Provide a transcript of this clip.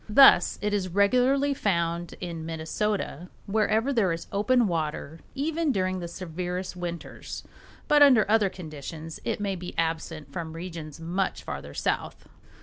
Thus it is regularly found in Minnesota wherever there is open water, even during the severest winters, but under other conditions it may be absent from regions much farther south.